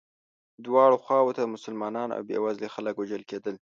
دواړو خواوو ته مسلمانان او بیوزلي خلک وژل کېدل.